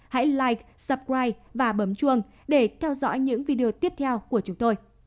hãy like subscribe và bấm chuông để theo dõi những video tiếp theo của chúng tôi